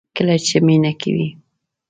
کله چې مینه کوئ